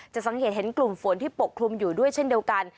สังเกตเห็นกลุ่มฝนที่ปกคลุมอยู่ด้วยเช่นเดียวกัน